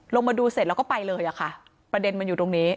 ลงมาดูเสร็จแล้วก็ไปเลยอะค่ะประเด็นมันอยู่ตรงนี้